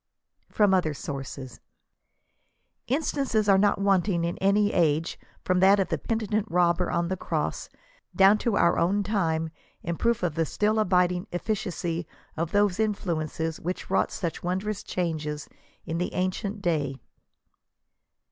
FROM OTHER SOURCES. Instances are not wanting in any age, from that of the peni tent robber on the cross, down to our own time, in proof of the still abiding efficacy of those influences which wrought such wondrous changes in the ancient day.